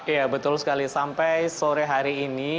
ya betul sekali sampai sore hari ini